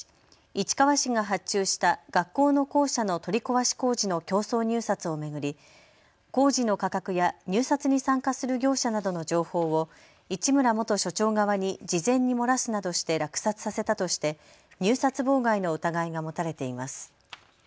市川市が発注した学校の校舎の取り壊し工事の競争入札を巡り工事の価格や入札に参加する業者などの情報を市村元所長側に事前に漏らすなどして落札させたとして入札妨害の疑いが持たれています。